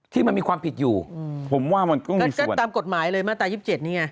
ที่มันมีความผิดอยู่ตามกฎหมายเลยเเมื่อตาย๒๗นี้เนี่ย